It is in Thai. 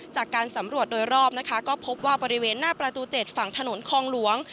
จากการสำรวจโดยรอบนะคะก็พบว่าบริเวณหน้าประตู๗ฝั่งถนนคลองหลวง